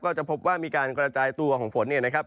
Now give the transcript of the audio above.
จะพบว่ามีการกระจายตัวของฝนเนี่ยนะครับ